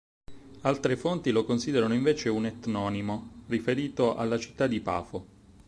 Altre fonti lo considerano invece un etnonimo, riferito alla città di Pafo.